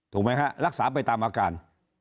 ถูกมั้ยคะรักษาไปตามอาการ